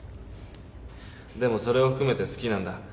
でもそれを含めて好きなんだ。